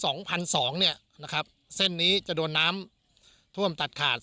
สองพันสองเนี่ยนะครับเส้นนี้จะโดนน้ำท่วมตัดขาด